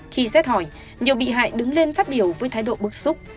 khi xét hỏi nhiều bị hại đứng lên phát biểu với thái độ bức xúc